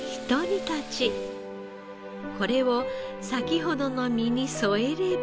これを先ほどの身に添えれば。